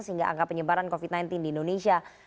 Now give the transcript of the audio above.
sehingga angka penyebaran covid sembilan belas di indonesia